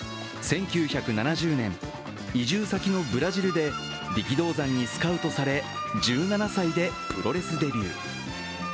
１９７０年、移住先のブラジルで力道山にスカウトされ１７歳でプロレスデビュー。